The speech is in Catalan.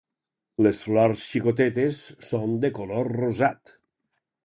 Les flors xicotetes són de color rosat.